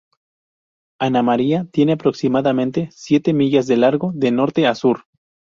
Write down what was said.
Anna Maria tiene aproximadamente siete millas de largo de norte a sur.